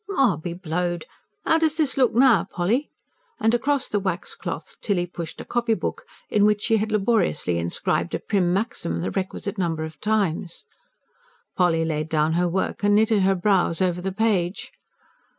"Ma be blowed! 'Ow does this look now, Polly?" And across the wax cloth Tilly pushed a copybook, in which she had laboriously inscribed a prim maxim the requisite number of times. Polly laid down her work and knitted her brows over the page.